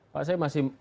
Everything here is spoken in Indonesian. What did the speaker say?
pak saya masih